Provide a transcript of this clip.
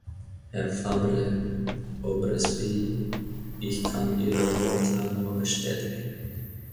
Herr Fabre-Aubrespy, ich kann Ihre Worte nur bestätigen.